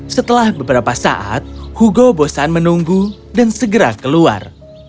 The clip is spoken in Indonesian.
setelah beberapa saat hugo bosan menunggu dan segera keluar